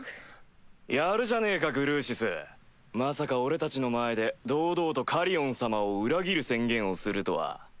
やるじゃねえかグルーシスまさか俺たちの前で堂々とカリオン様を裏切る宣言をするとは。